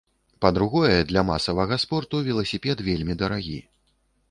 Па-другое, для масавага спорту веласіпед вельмі дарагі.